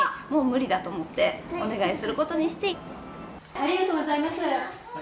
ありがとうございます。